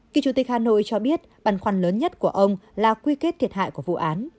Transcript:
kỳ chủ tịch hà nội cho biết băn khoăn lớn nhất của ông là quy kết thiệt hại của vụ án